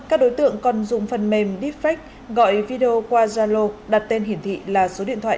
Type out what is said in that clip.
các đối tượng còn dùng phần mềm deepfake gọi video qua zalo đặt tên hiển thị là số điện thoại